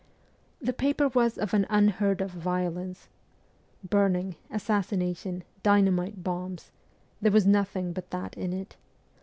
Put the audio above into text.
The paper was of an unheard of violence. Burning, assassination, dynamite bombs there was nothing but that in it.